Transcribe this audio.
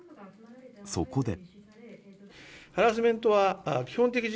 そこで。